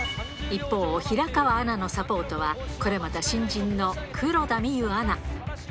一方、平川アナのサポートは、これまた新人の黒田みゆアナ。